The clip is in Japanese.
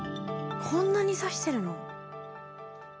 こんなに刺してるの？